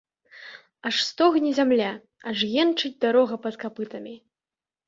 Аж стогне зямля, аж енчыць дарога пад капытамі.